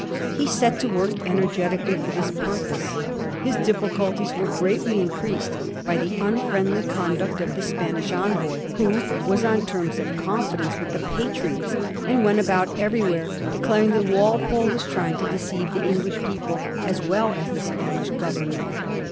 He set to work energetically for this purpose. His diffi culties were greatly increased by the unfriendly conduct of the Spanish envoy, who was on terms of confidence with the Patriots, and went about everywhere declaring 160 A HISTORY OF THE FOUR GEORGES. cii. xxxt that Walpole was trying to deceive the English people as well as the Spanish Government.